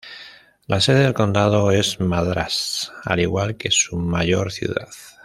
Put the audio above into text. La sede del condado es Madras, al igual que su mayor ciudad.